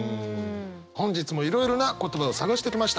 本日もいろいろな言葉を探してきました。